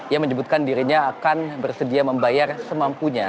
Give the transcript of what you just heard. ia menyebutkan dirinya akan bersedia membayar semampunya